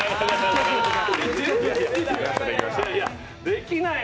できない。